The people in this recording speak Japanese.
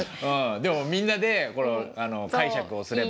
でもみんなで解釈をすれば。